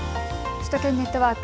首都圏ネットワーク。